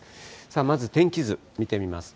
まず、天気図、見てみますと。